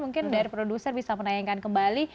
mungkin dari produser bisa menayangkan kembali